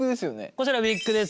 こちらウィッグです。